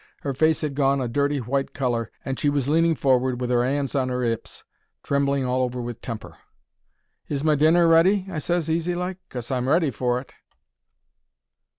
Her face 'ad gone a dirty white colour, and she was leaning forward with her 'ands on her 'ips, trembling all over with temper. "Is my dinner ready?" I ses, easy like. "'Cos I'm ready for it."